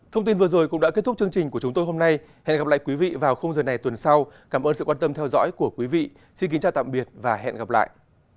thông tin vừa rồi cũng đã kết thúc chương trình của chúng tôi hôm nay hẹn gặp lại quý vị vào giờ này tuần sau cảm ơn sự quan tâm theo dõi của quý vị xin kính chào tạm biệt và hẹn gặp lại